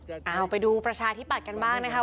เอาไปดูประชาธิปรัศน์กันบ้างนะครับ